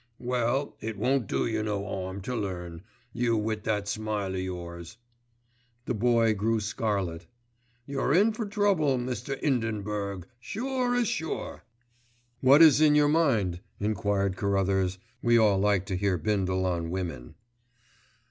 "Well, it won't do yer no 'arm to learn, you wi' that smile o' yours." The Boy grew scarlet. "You're in for trouble, Mr. 'Indenburg, sure as sure." "What is in your mind," enquired Carruthers. We all like to hear Bindle on women.